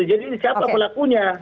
jadi ini siapa pelakunya